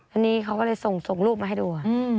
อันนี้เขาก็เลยส่งรูปมาให้ดู